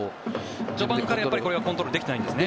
序盤からコントロールできてないんですね。